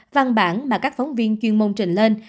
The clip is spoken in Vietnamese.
văn bản mà các phóng viên chuyên môn trình lên